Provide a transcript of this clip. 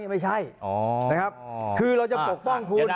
ไม่ใช่คือเราจะปกป้องคุณ